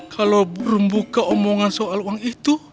kalau belum buka omongan soal uang itu